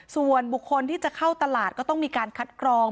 ส่วนบุคคลที่จะเข้าตลาดก็ต้องมีการคัดกรอง